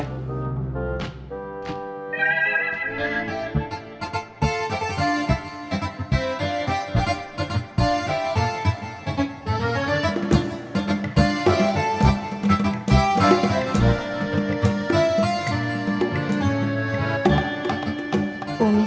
terima kasih ya